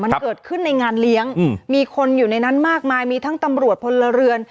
มันเกิดขึ้นในงานเลี้ยงมีคนอยู่ในนั้นมากมายมีทั้งตำรวจพลเรือน